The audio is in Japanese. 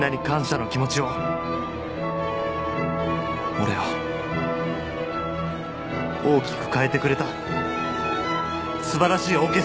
俺を大きく変えてくれたすばらしいオーケストラ！